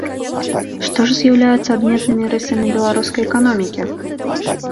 Што ж з'яўляецца адметнымі рысамі беларускай эканомікі?